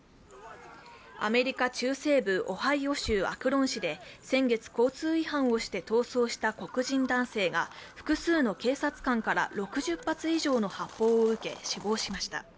アメリカ中西部オハイオ州アクロン市で先月、交通違反をして逃走した黒人男性が複数の警察官から６０発以上の発砲を受け死亡しました。